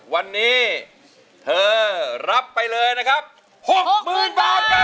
วันนี้เธอรับไปเลยนะครับหกหมื่นบาทเกิด